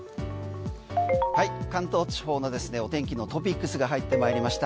関東地方の天気のトピックスが入ってまいりました。